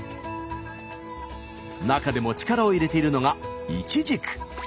中でも力を入れているのがいちじく。